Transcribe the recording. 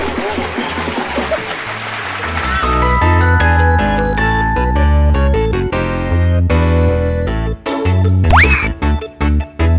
เยี่ยมช้าเมือง